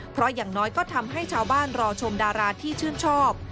เพราะอย่างน้อยก็ทำให้ชาวบ้านรอชมดาราที่ชื่นชอบ